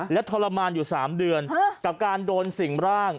และทรมานอยู่๓เดือนกับการโดนสิ่งร่าง